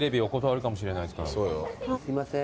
すいません。